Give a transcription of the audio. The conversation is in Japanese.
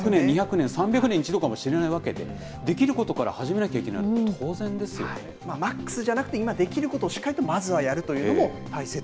１００年、２００年、３００年に１度かもしれないわけで、できることから始めなきゃいマックスじゃなくて、今できることをしっかりとまずはやるというのも大切。